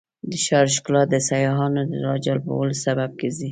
د ښار ښکلا د سیاحانو د راجلبولو سبب ګرځي.